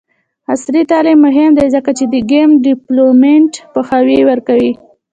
عصري تعلیم مهم دی ځکه چې د ګیم ډیولپمنټ پوهاوی ورکوي.